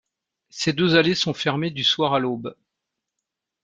Ces deux allées sont fermées du soir à l'aube.